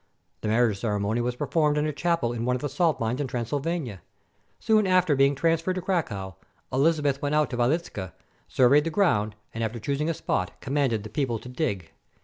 The marriage ceremony was performed in a chapel in one of the salt mines of Transylvania. Soon after be ing transferred to Cracow, Elizabeth went out to Wie liczka, surveyed the ground, and, after choosing a spot, commanded the people to dig.